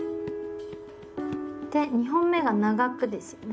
で２本目が長くですよね。